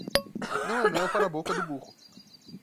Não é mel para a boca do burro.